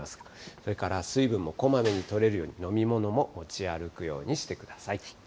それから水分もこまめにとれるように飲み物も持ち歩くようにしてください。